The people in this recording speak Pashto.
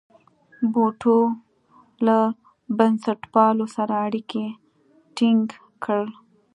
بوټو له بنسټپالو سره اړیکي ټینګ کړل.